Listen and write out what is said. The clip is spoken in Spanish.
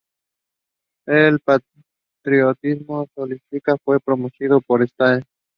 El patriotismo socialista fue promovido por Stalin.